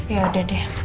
ya udah deh